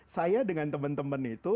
saya dengan teman teman itu